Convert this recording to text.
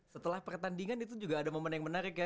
setelah pertandingan itu juga ada momen yang menarik ya